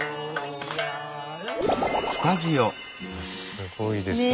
すごいですね。